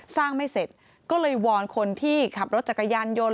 ไม่เสร็จก็เลยวอนคนที่ขับรถจักรยานยนต์